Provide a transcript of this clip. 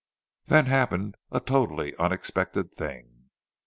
Then happened a totally unexpected thing.